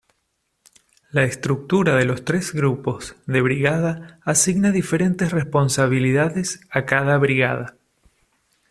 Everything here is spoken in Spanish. La estructura de los tres grupos de brigada asigna diferentes responsabilidades a cada brigada.